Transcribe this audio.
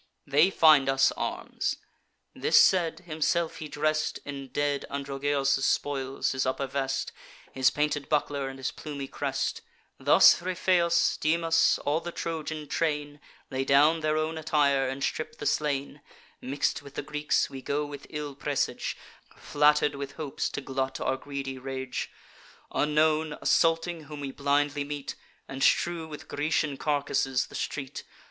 They find us arms.' This said, himself he dress'd In dead Androgeos' spoils, his upper vest, His painted buckler, and his plumy crest. Thus Ripheus, Dymas, all the Trojan train, Lay down their own attire, and strip the slain. Mix'd with the Greeks, we go with ill presage, Flatter'd with hopes to glut our greedy rage; Unknown, assaulting whom we blindly meet, And strew with Grecian carcasses the street.